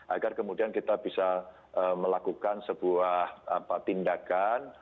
agar kemudian kita bisa melakukan sebuah tindakan